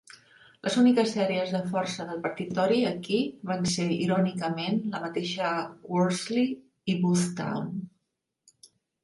Les úniques àrees de força del partit Tory aquí van ser irònicament la mateixa Worsley i Boothstown.